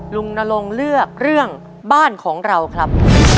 นรงเลือกเรื่องบ้านของเราครับ